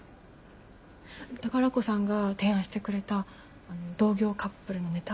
宝子さんが提案してくれた同業カップルのネタ